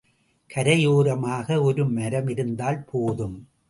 கரையோரமாக ஒரு மரம் இருந்தால் போதும்.